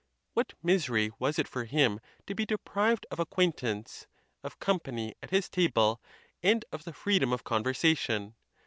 What misery was it for him to be deprived of ac quaintance, of company at his table, and of the freedom of conversation!